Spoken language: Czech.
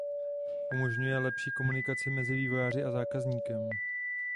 Umožňuje lepší komunikaci mezi vývojáři a zákazníkem.